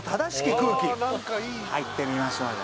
空気入ってみましょうね